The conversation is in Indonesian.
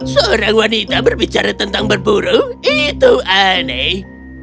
seorang wanita berbicara tentang berburu itu aneh